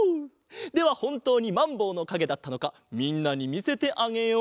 ではほんとうにまんぼうのかげだったのかみんなにみせてあげよう。